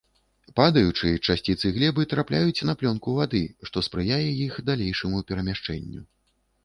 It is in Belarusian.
Падаючы, часціцы глебы трапляюць на плёнку вады, што спрыяе іх далейшаму перамяшчэнню.